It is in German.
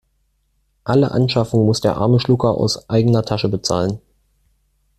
Alle Anschaffungen muss der arme Schlucker aus eigener Tasche bezahlen.